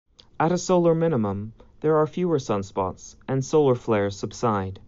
At a solar minimum, there are fewer sunspots and solar flares subside.